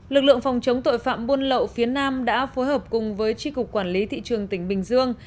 lực lượng phòng chống tội phạm buôn lậu phía nam đã phối hợp cùng với tri cục quản lý thị trường tỉnh bình dương